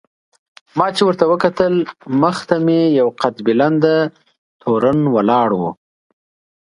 ما چې ورته وکتل مخې ته مې یو قد بلنده تورن ولاړ و.